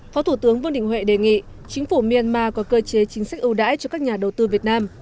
phó thủ tướng vương đình huệ đề nghị chính phủ myanmar có cơ chế chính sách ưu đãi cho các nhà đầu tư việt nam